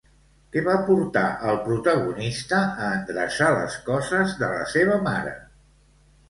Què va portar al protagonista a endreçar les coses de la seva mare?